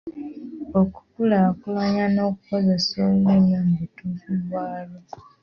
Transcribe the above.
Okukulakulanya n’okukozesa olulimi mu butuufu bwalwo.